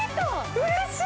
うれしい！